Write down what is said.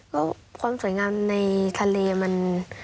แล้วความสวยงามในทะเลมัน